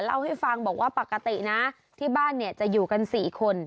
เล่าให้ฟังบอกว่าปกตินะที่บ้านเนี่ยจะอยู่กัน๔คน